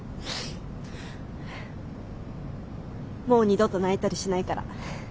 もう二度と泣いたりしないから。